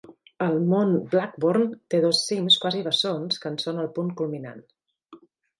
El mont Blackburn té dos cims quasi bessons que en són el punt culminant.